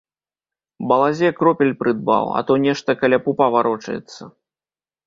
Балазе, кропель прыдбаў, а то нешта каля пупа варочаецца.